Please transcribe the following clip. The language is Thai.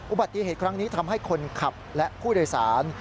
อุบัติเหตุครั้งนี้ทำให้คนขับและผู้โดยสาร